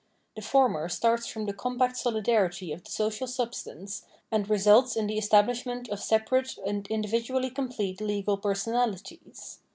The former starts from the compact solidarity of the social substance, and results in the establishment of separate and individually complete legal personalities.